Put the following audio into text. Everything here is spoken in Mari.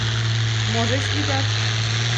Можыч, лӱдат?